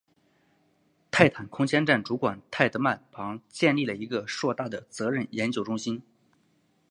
泰坦空间站主管泰德曼旁建立了一个硕大的责任研究中心。